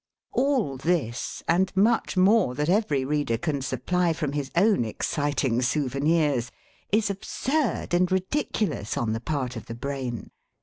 All this, and much more that every reader can supply from his own exciting souvenirs, is absurd and ridiculous on the part of the brain.